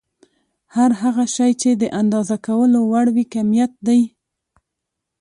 هر هغه شی چې د اندازه کولو وړ وي کميت دی.